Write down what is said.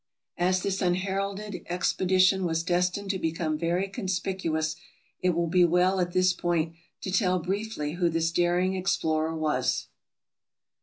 As this unheralded expedition was destined to become very conspicuous it will be well at this point to tell briefly who this daring explorer was.